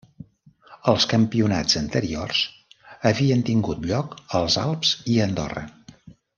Els campionats anteriors havien tingut lloc als Alps i a Andorra.